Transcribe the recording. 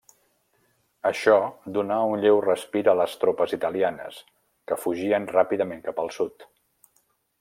Això donà un lleu respir a les tropes italianes, que fugien ràpidament cap al sud.